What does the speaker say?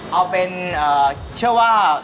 เอาเป็นเชื่อว่า